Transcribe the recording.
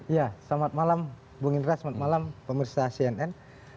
ya selamat malam bung indra selamat malam pemirsa cnn